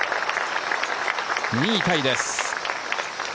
２位タイです。